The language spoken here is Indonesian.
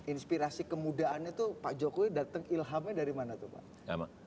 inspirasi kemudaannya tuh pak jokowi datang ilhamnya dari mana tuh pak